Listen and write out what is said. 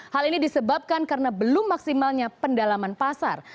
hal ini disebabkan karena belum maksimalnya pendalaman pasar